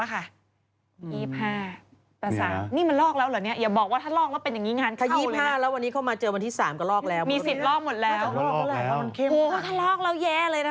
โหถ้าแล้วแยะเลยนะเป็นแบบเนี้ย